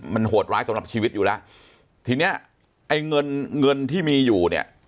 มันโหดร้ายสำหรับชีวิตอยู่แล้วทีเนี้ยไอ้เงินเงินที่มีอยู่เนี่ย